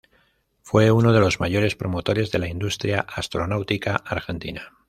Fue uno de los mayores promotores de la industria astronáutica argentina.